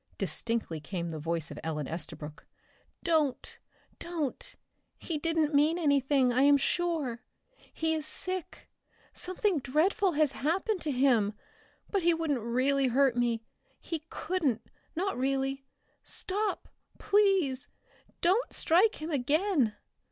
distinctly came the voice of Ellen Estabrook. "Don't! Don't! He didn't mean anything, I am sure. He is sick, something dreadful has happened to him. But he wouldn't really hurt me. He couldn't not really. Stop, please! Don't strike him again!"